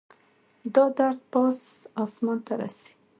دا درد پاس اسمان ته رسي